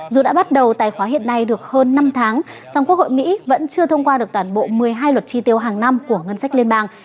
dù đã bắt đầu tài khoá hiện nay được hơn năm tháng song quốc hội mỹ vẫn chưa thông qua được toàn bộ một mươi hai luật tri tiêu hàng năm của ngân sách liên bang